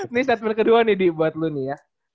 ini statement kedua nih buat lo nih ya